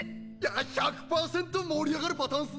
１００％盛り上がるパターンっすね！